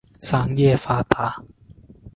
商业发达。